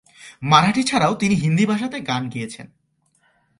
মারাঠি ছাড়াও তিনি হিন্দি ভাষাতে গান গেয়েছেন।